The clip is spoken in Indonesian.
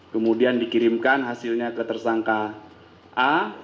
kemudian dikirimkan hasilnya ke tersangka a